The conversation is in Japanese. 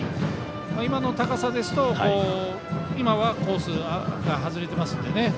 今の高さですとコースから外れてますのでね。